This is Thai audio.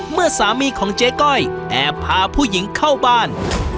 เมื่อสามีของเจ๊ก้อยแอบพาผู้หญิงเข้าบ้าน